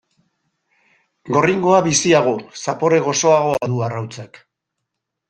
Gorringoa biziago, zapore gozoagoa du arrautzak.